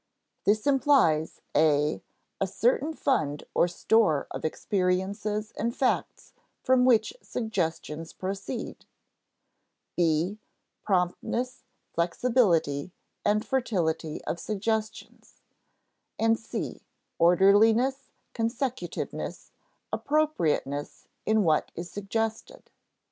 This implies (a) a certain fund or store of experiences and facts from which suggestions proceed; (b) promptness, flexibility, and fertility of suggestions; and (c) orderliness, consecutiveness, appropriateness in what is suggested.